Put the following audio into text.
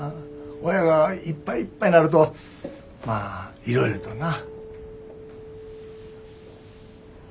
親がいっぱいいっぱいなるとまあいろいろとな。